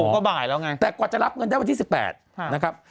ก็บ่ายแล้วไงแต่กว่าจะรับเงินได้วันที่๑๘นะครับ